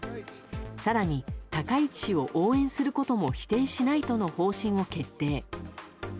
更に、高市氏を応援することも否定しないとの方針を決定。